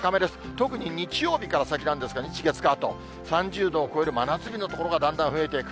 特に日曜日から先なんですが、日、月、火と、３０度を超える真夏日の所がだんだん増えていく。